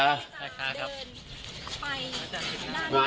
เดินไปด้านหลัง